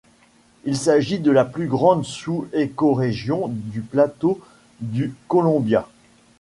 Il s'agit de la plus grande sous-écorégion du plateau du Columbia.